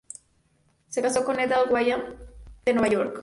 Se casó con Ethel Wyman de Nueva York.